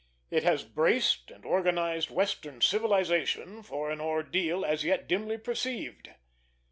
It has braced and organized Western civilization for an ordeal as yet dimly perceived.